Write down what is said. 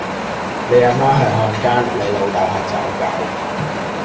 你阿媽係漢奸，你老竇係走狗